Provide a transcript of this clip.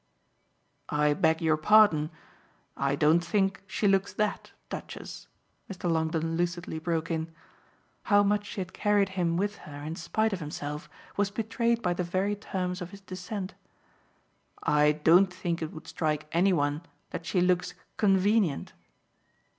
"I beg your pardon I don't think she looks that, Duchess," Mr. Longdon lucidly broke in. How much she had carried him with her in spite of himself was betrayed by the very terms of his dissent. "I don't think it would strike any one that she looks 'convenient.